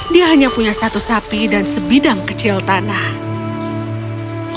dia hanya punya satu sapi dan sebidang kecil tanah